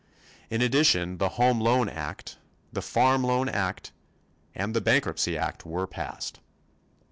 In addition the Home Loan Act, the Farm Loan Act and the Bankruptcy Act were passed.